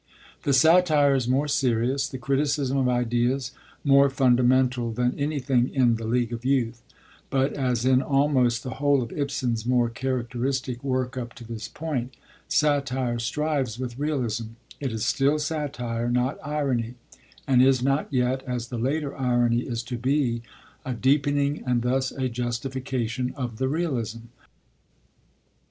The satire is more serious, the criticism of ideas more fundamental than anything in The League of Youth; but, as in almost the whole of Ibsen's more characteristic work up to this point, satire strives with realism; it is still satire, not irony, and is not yet, as the later irony is to be, a deepening, and thus a justification, of the realism.